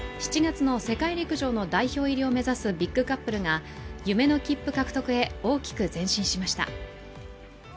７月の世界陸上の代表入りを目指すビッグカップルが夢の切符獲得へ大きく前進しました。